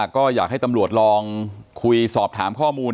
ก็อยากให้ตำรวจลองคุยสอบถามข้อมูล